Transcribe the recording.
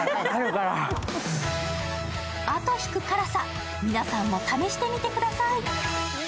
あと引く辛さ、皆さんも試してみてください。